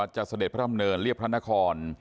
จะสะเด็ดพระท่ำเริร์ย์เลียบพระนคร